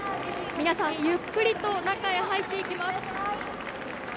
皆さん、ゆっくりと中へ入っていきます。